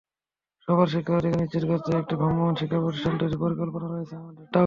সবার শিক্ষার অধিকার নিশ্চিত করতে একটি ভ্রাম্যমাণ শিক্ষাপ্রতিষ্ঠান তৈরির পরিকল্পনা রয়েছে আমাদের।